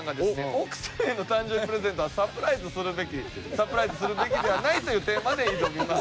「奥さんへの誕生日プレゼントはサプライズするべきサプライズするべきではない」というテーマで挑みます。